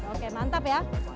oke mantap ya